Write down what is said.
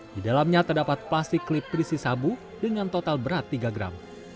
di dalamnya terdapat plastik klip berisi sabu dengan total berat tiga gram